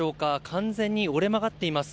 完全に折れ曲がっています。